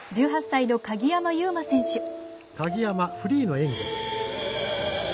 １８歳の鍵山優真選手。